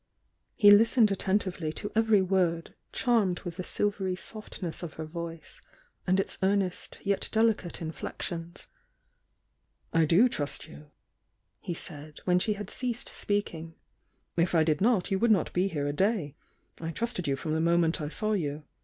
He listened attentively to e.'ery word,— charmed with the silvery softness of her voice and its earnest yet delicate inflections. "I do trust you I" he said, when she had ceased speaking. "If I did not, you would not be here a day. I trusted you from the moment I saw you.